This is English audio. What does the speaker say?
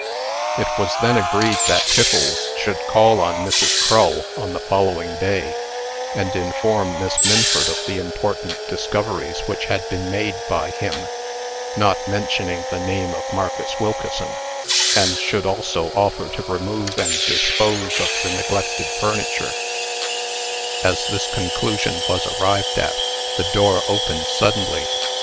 It was then agreed that Tiffles should call on Mrs. Crull, on the following day, and inform Miss Minford of the important discoveries which had been made by him not mentioning the name of Marcus Wilkeson and should also offer to remove and dispose of the neglected furniture, as the young lady might think best. As this conclusion was arrived at, the door opened suddenly.